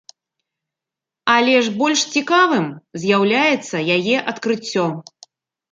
Але ж больш цікавым з'яўляецца яе адкрыццё.